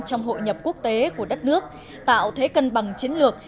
trong hội nhập quốc tế của đất nước tạo thế cân bằng chiến lược